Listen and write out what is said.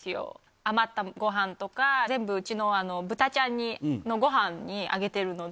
余ったごはんとか、全部うちのブタちゃんのごはんにあげてるので。